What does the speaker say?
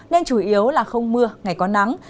nên chủ yếu là không mưa ngày có nắng